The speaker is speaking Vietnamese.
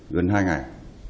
gần hai ngày